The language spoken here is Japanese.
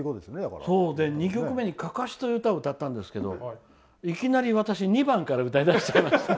２曲目に「案山子」という歌を歌ったんですけどいきなり私２番から歌い出しちゃいました。